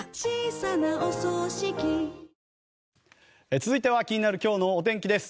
続いては気になる今日のお天気です。